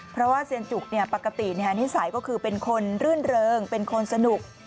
เพราะว่าเซียนจุกปกตินิสัยก็คือเป็นคนรื่นเริงเป็นคนสนุก